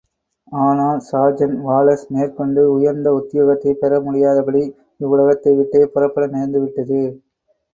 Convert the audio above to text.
ஆனால் sergeant Wallace மேற்கொண்டு உயர்ந்த உத்தியோகத்தைப் பெறமுடியாதபடி இவ்வுலகத்தை விட்டே புறப்பட நேர்ந்து விட்டது.